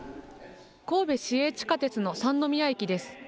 神戸市営地下鉄の三宮駅です。